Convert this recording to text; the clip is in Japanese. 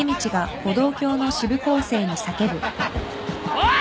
おい！